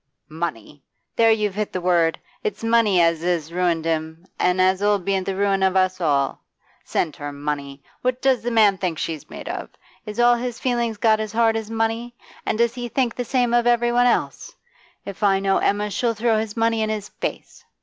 'Money! There you've hit the word; it's money as 'as ruined him, and as 'll be the ruin of us all. Send her money! What does the man think she's made of? Is all his feelings got as hard as money? and does he think the same of every one else? If I know Emma, she'll throw his money in his face.